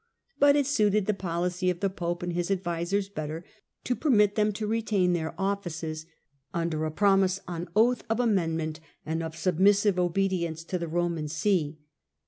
But it suited the policy of the pope and his advisers better to permit them to retain their offices, under a promise on oath of amendment, and of submissive obedience to the Roman See.